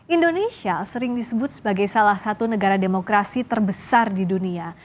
indonesia sering disebut sebagai salah satu negara demokrasi terbesar di dunia